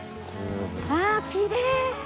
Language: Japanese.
ああきれい！